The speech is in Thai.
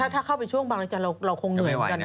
เออถ้าเข้าไปช่วงบางรักษณะเราคงเหมือนกัน